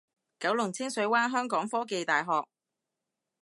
九龍清水灣香港科技大學